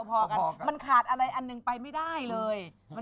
หวยมาก็หมดก่อนแล้วสิเรา